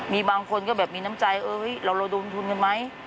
มีบางคนก็แบบมีน้ำใจเราระดมทุนกันไหม